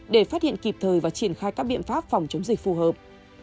để phát hiện kịp thời và triển khai các biện pháp phòng chống dịch phù hợp